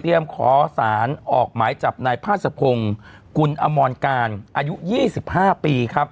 เตรียมขอสารออกหมายจับในผ้าสะพงคุณอมรการอายุ๒๕ปีครับ